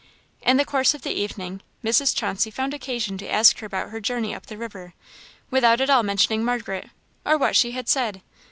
In the course of the evening, Mrs. Chauncey found occasion to ask her about her journey up the river, without at all mentioning Margaret, or what she had said.